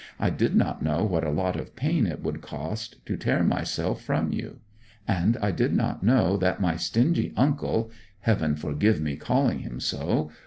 I did not know what a lot of pain it would cost to tear myself from you. And I did not know that my stingy uncle heaven forgive me calling him so!